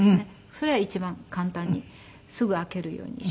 それは一番簡単にすぐ開けるようにして。